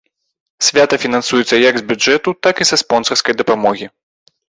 Свята фінансуецца як з бюджэту, так і са спонсарскай дапамогі.